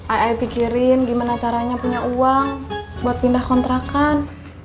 ayah pikirin gimana caranya punya uang buat pindah kontrakan